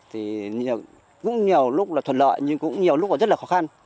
thì cũng nhiều lúc là thuận lợi nhưng cũng nhiều lúc là rất là khó khăn